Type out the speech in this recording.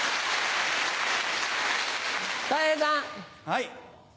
はい。